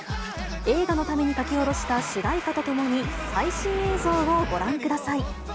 映画のために書き下ろした主題歌とともに、最新映像をご覧ください。